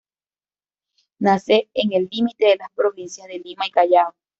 Nace en el límite de las provincias de Lima y Callao.